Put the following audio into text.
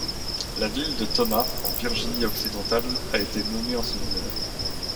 La ville de Thomas, en Virginie-Occidentale, a été nommée en son honneur.